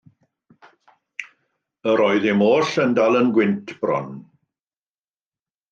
Yr oeddym oll yn dal ein gwynt bron.